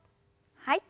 はい。